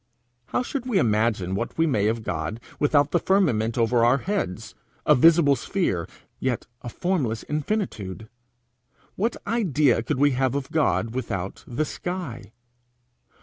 How should we imagine what we may of God, without the firmament over our heads, a visible sphere, yet a formless infinitude! What idea could we have of God without the sky?